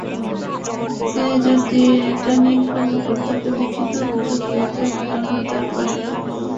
তিনি যদি রিটার্নিং কর্মকর্তাকে লিখিত অভিযোগ দিতেন, আমিও তাঁর পাশে থাকতাম।